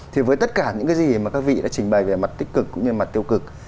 thì với tất cả những cái gì mà các vị đã trình bày về mặt tích cực cũng như mặt tiêu cực